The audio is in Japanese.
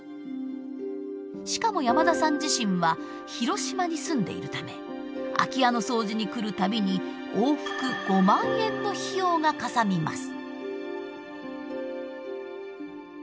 しかも山田さん自身は広島に住んでいるため空き家の掃除に来る度に往復５万円の費用がかさみます。